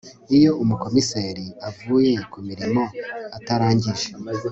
Iyo umukomiseri avuye ku mirimo atarangije